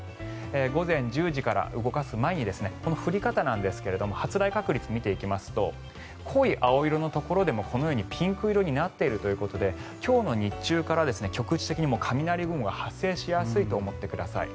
午前１０時から、動かす前に降り方ですが発雷確率を見ていきますと濃い青色のところでもこのようにピンク色になっているということで今日の日中から局地的にも雷雲が発生しやすいと思ってください。